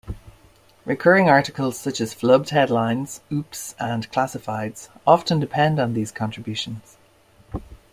Recurring articles such as "Flubbed Headlines", "Oops", and "Classifieds" often depend on these contributions.